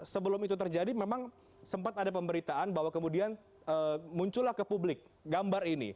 sebelum itu terjadi memang sempat ada pemberitaan bahwa kemudian muncullah ke publik gambar ini